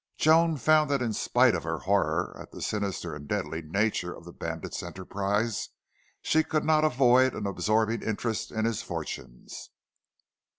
Joan found that in spite of her horror at the sinister and deadly nature of the bandit's enterprise she could not avoid an absorbing interest in his fortunes.